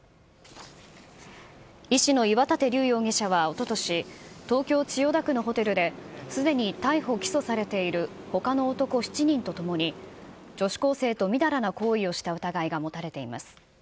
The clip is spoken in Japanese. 医師の岩立竜容疑者はおととし、東京・千代田区のホテルで、すでに逮捕・起訴されているほかの男７人とともに、女子高生とみだらな行為をした疑いが持たれています。